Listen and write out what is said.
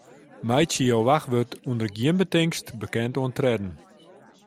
Meitsje jo wachtwurd ûnder gjin betingst bekend oan tredden.